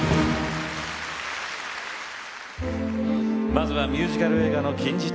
まずはミュージカル映画の金字塔。